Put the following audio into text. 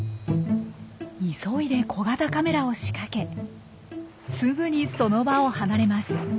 急いで小型カメラを仕掛けすぐにその場を離れます。